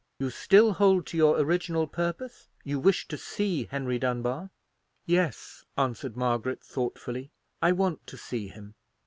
You still hold to your original purpose? You wish to see Henry Dunbar?" "Yes," answered Margaret, thoughtfully; "I want to see him.